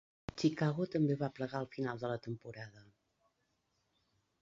Chicago també va plegar al final de la temporada.